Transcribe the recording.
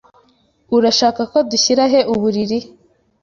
Urashaka ko dushyira he uburiri?